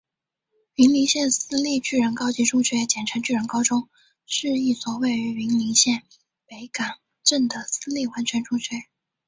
云林县私立巨人高级中学简称巨人高中是一所位于云林县北港镇的私立完全中学。